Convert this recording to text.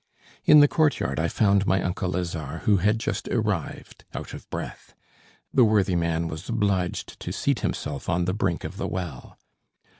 In the courtyard I found my uncle Lazare, who had just arrived out of breath. The worthy man was obliged to seat himself on the brink of the well.